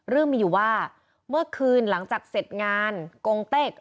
เรื่องมีอยู่ว่าเมื่อคืนหลังจากเสร็จงานกงเต็ก